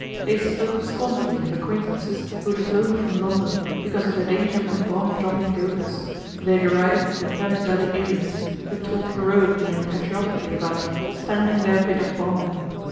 They spoke scornfully of acquaintances who had flown from London because of the danger from bomb dropping Gothas, they derided the Thames Valley aliens, they talked heroically and patriotically about " standing their bit of bombing."